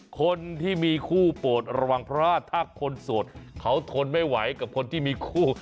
คนที่มีคู่โปรดระวังเพราะว่าถ้าคนโสดเขาทนไม่ไหวกับคนที่มีคู่